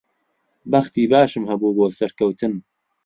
بەختی باشم هەبوو بۆ سەرکەوتن.